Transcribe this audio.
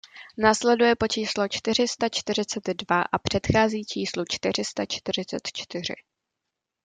Následuje po číslu čtyři sta čtyřicet dva a předchází číslu čtyři sta čtyřicet čtyři.